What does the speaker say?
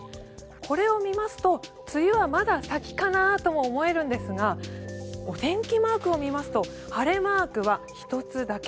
これを見ますと梅雨はまだ先かなと思えるんですけどお天気マークを見ますと晴れマークは１つだけ。